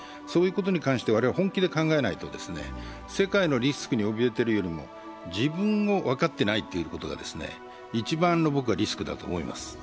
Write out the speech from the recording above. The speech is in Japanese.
そういうことに関して我々本気で考えないと世界のリスクにおびえているよりも自分を分かっていないということが一番のリスクだと思います。